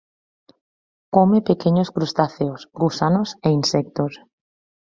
Come pequeños crustáceos, gusanos e insectos.